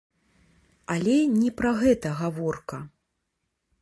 Але не пра гэта гаворка.